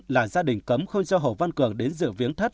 là gia đình cấm không cho hổ văn cường đến giữ viếng thất